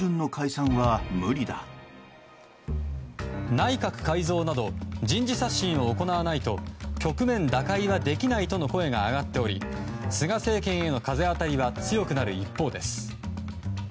内閣改造など人事刷新を行わないと局面打開はできないとの声が上がっており菅政権への風当たりは強くなる一方です。